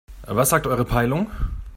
Was sagt eure Peilung?